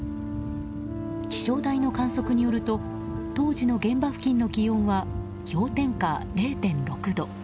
気象台の観測によると当時の現場付近の気温は氷点下０．６度。